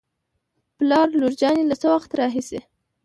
پلار : لور جانې له څه وخت راهېسې